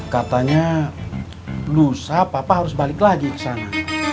katanya lusa papa harus balik lagi kesana